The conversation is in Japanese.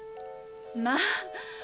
まあ！